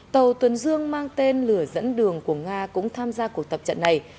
tàu tuần dương mang tên lửa dẫn đường của nga cũng tham gia cuộc tập trận này